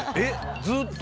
ずっと？